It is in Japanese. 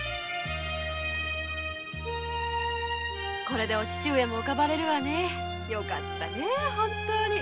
これでお父上も浮かばれるよねぇよかったねぇ本当に。